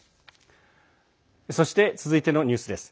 そして、続いてのニュースです。